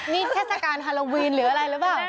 นี่ทราบสการฮาโลวีนหรืออะไรรึเปล่า